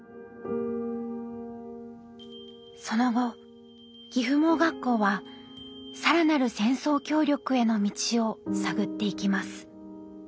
その後岐阜盲学校は更なる戦争協力への道を探っていきます。